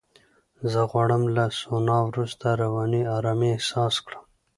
زه غواړم له سونا وروسته رواني آرامۍ احساس کړم.